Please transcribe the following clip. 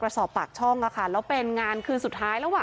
หรือศอบปากช่องนะคะแล้วเป็นงานคืนสุดท้ายแล้ววะ